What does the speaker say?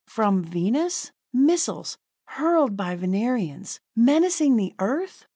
From Venus! Missiles, hurled by Venerians, menacing the Earth!